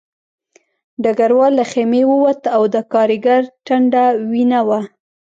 ډګروال له خیمې ووت او د کارګر ټنډه وینه وه